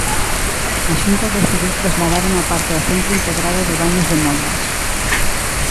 A Xunta decidiu trasladar unha parte ao centro integrado de Baños de Molgas.